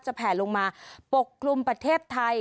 แผลลงมาปกคลุมประเทศไทย